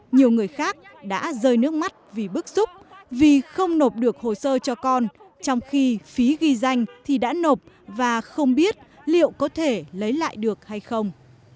nhiều người khác đã rơi nước mắt vì bức xúc vì không nộp được hồ sơ cho con trong khi phí ghi danh thì đã nộp và không biết liệu có thể lấy lại được hay không